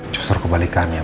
justru kebalikan ya mah